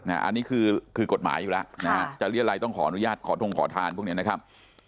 อันนี้คือกฎหมายอยู่แล้วนะฮะจะเรียรัยต้องขออนุญาตขอทงขอทานพวกนี้นะครับ